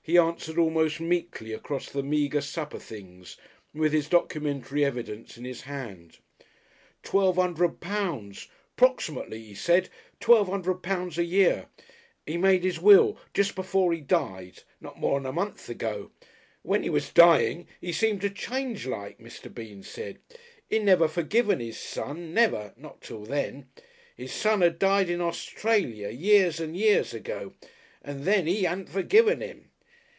He answered almost meekly across the meagre supper things, with his documentary evidence in his hand: "Twelve 'undred pounds. 'Proximately, he said. Twelve 'undred pounds a year. 'E made 'is will, jest before 'e died not more'n a month ago. When 'e was dying, 'e seemed to change like, Mr. Bean said. 'E'd never forgiven 'is son, never not till then. 'Is son 'ad died in Australia, years and years ago, and then 'e 'adn't forgiven 'im.